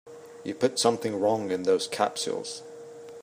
You put something wrong in those capsules.